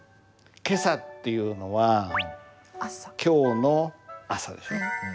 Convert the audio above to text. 「今朝」っていうのは「今日の朝」でしょ。